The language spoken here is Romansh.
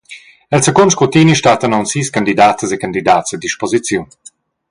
El secund scrutini stattan aunc sis candidatas e candidats a disposiziun.